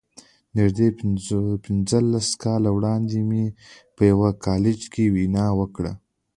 نږدې پينځلس کاله وړاندې مې په يوه کالج کې وينا وکړه.